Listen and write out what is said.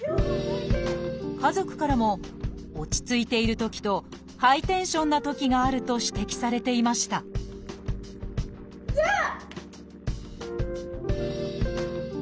家族からも落ち着いているときとハイテンションなときがあると指摘されていましたじゃあ！